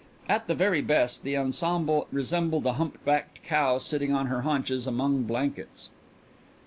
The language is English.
At the very best the ensemble resembled a humpbacked cow sitting on her haunches among blankets.